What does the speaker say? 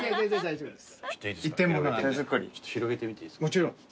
もちろん。